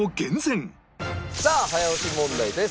さあ早押し問題です。